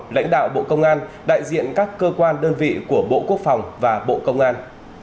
lãnh đạo bộ công an đại diện các cơ quan đơn vị của bộ quốc phòng và bộ công an